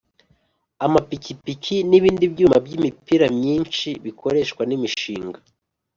Amapikipiki n’ibindi byuma by’imipira myinshi bikoreshwa n’imishinga